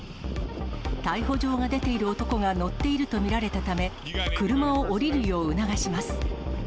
逮捕状が出ている男が乗っていると見られたため、車を降りるよう促します。